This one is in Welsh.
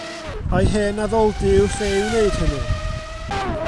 Ai hen addoldy yw'r lle i wneud hynny?